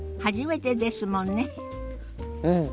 うん。